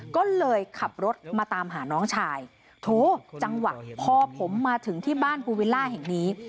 ก็เลยขับรถมาตามหาน้องชายโถจังหวะพอผมมาถึงที่บ้านภูวิลล่าแห่งนี้